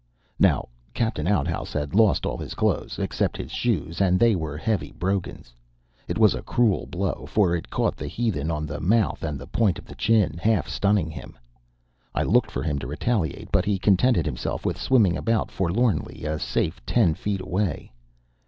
Now, Captain Oudouse had lost all his clothes, except his shoes, and they were heavy brogans. It was a cruel blow, for it caught the heathen on the mouth and the point of the chin, half stunning him. I looked for him to retaliate, but he contented himself with swimming about forlornly a safe ten feet away.